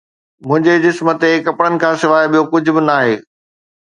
منهنجي جسم تي ڪپڙن کان سواءِ ٻيو ڪجهه به ناهي